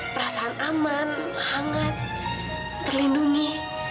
perasaan aman hangat terlindungi